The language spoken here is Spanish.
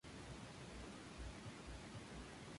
Como abogado, es titular de la Notaría Pública No.